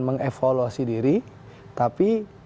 mengevaluasi diri tapi